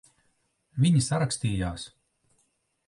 Viņi sarakstījās.